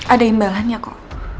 ada imbalannya kok